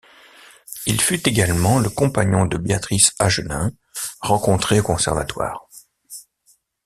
Il fut également le compagnon de Béatrice Agenin, rencontrée au conservatoire.